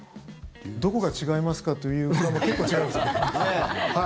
どこが違いますかというか結構、違いますね。